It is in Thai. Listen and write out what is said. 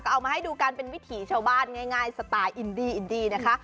เอามาให้ดูกันเป็นวิถีชาวบ้านง่ายสไตล์อินดีอินดีนะคะ